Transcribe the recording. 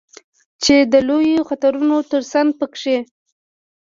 چې د لویو خطرونو ترڅنګ په کې